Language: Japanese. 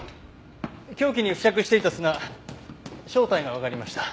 凶器に付着していた砂正体がわかりました。